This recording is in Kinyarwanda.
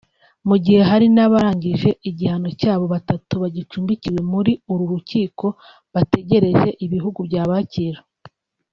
mu gihe hari n’abarangije igihano cyabo batatu bagicumbikiwe muri uru rukiko bategereje ibihugu byabakira